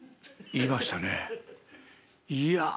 「言いました」。